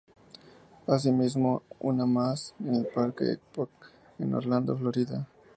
Asimismo hay una más en el parque Epcot, en Orlando, Florida.